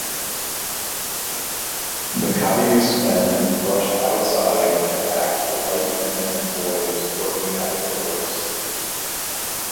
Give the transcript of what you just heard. The Cayuse men rushed outside and attacked the white men and boys working outdoors.